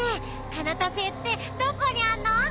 カナタ星ってどこにあんの？